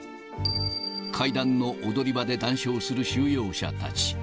階段の踊り場で談笑する収容者たち。